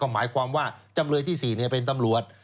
หมายความว่าจำเลยที่๔เป็นตำรวจ